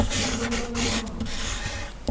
Napoléon le Grand!"